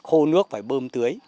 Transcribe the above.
khô nước phải bơm tưới